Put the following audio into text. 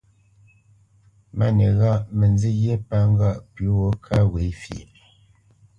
Máni ghâʼ mə nzî ghyé pə ŋgâʼ pʉ̌ gho ká ghwě fyeʼ.